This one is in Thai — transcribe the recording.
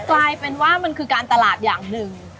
กลายเป็นว่ามันคือการตลาดอย่างหนึ่ง